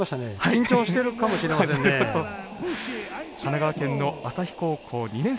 緊張してるかもしれませんね。